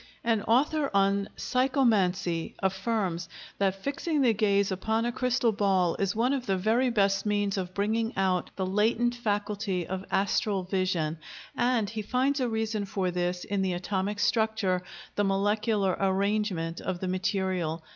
An author on "psychomancy" affirms that fixing the gaze upon a crystal ball is one of the very best means of bringing out the latent faculty of astral vision, and he finds a reason for this in the atomic structure, the molecular arrangement of the material.